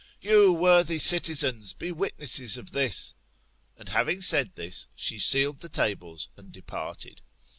You, worthy citizens, be witnesses of this. And having said this, she sealed the tables and departed.